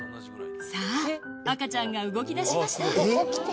さぁ赤ちゃんが動きだしました。